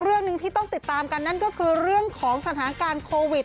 เรื่องหนึ่งที่ต้องติดตามกันนั่นก็คือเรื่องของสถานการณ์โควิด